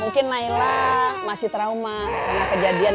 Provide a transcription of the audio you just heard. aku mau buatin bubur nih